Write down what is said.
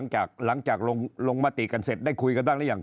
หลังจากลงมติกันเสร็จได้คุยกันบ้างหรือยัง